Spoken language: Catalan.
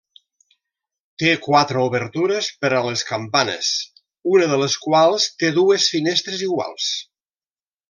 Té quatre obertures per a les campanes, una de les quals té dues finestres iguals.